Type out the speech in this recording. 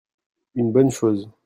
une bonne chose.